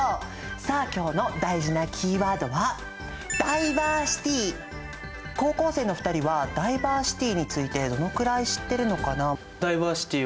さあ今日の大事なキーワードは高校生の２人はダイバーシティについてどのくらい知ってるのかな？